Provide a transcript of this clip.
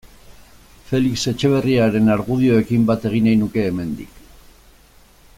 Felix Etxeberriaren argudioekin bat egin nahi nuke hemendik.